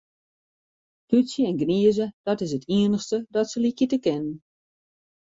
Tútsje en gnize, dat is it iennichste dat se lykje te kinnen.